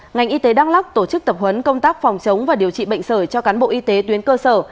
ngành y tế đắk lắc tổ chức tập huấn công tác phòng chống và điều trị bệnh sởi cho cán bộ y tế tuyến cơ sở